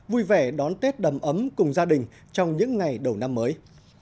vui vẻ đón tết đầm ấm cùng gia đình trong những ngày đầu năm mới